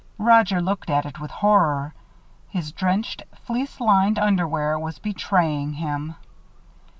Roger looked at it with horror. His drenched, fleece lined underwear was betraying him.